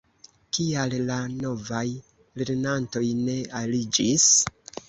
Kial la novaj lernantoj ne aliĝis?